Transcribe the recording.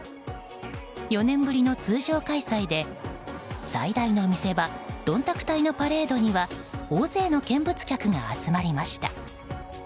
４年ぶりの通常開催で最大の見せ場どんたく隊のパレードには大勢の見物客が集まりました。